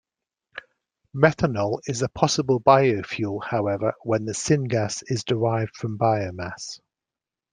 Methanol is a possible biofuel, however when the syngas is derived from biomass.